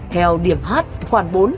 theo điểm h khoảng bốn